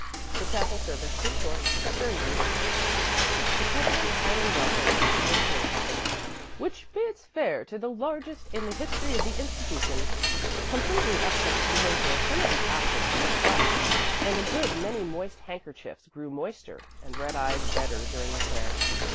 The chapel service was short but very beautiful. The president's kindly welcome to the entering class, "which bids fair to be the largest in the history of the institution," completely upset the composure of some of the aforesaid class, and a good many moist handkerchiefs grew moister, and red eyes redder during the prayer.